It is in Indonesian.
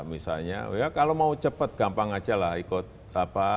misalnya kalau mau cepat gampang aja lah ikut